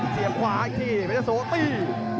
เสียบขวาอีกทีเพชรโสตี